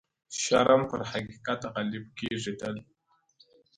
شرم پر حقيقت غالب کيږي تل-